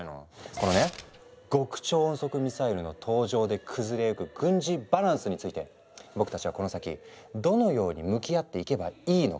このね極超音速ミサイルの登場で崩れゆく軍事バランスについて僕たちはこの先どのように向き合っていけばいいのか？